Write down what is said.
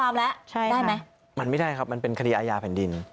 มันไม่ได้ครับมันเป็นคดีอายาแผ่นดิน